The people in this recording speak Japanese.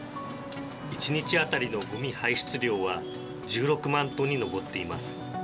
１日当たりのゴミ排出量は１６万トンに上っています。